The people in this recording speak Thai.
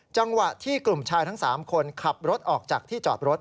จังหวะที่กลุ่มชายทั้ง๓คนขับรถออกจากที่จอดรถ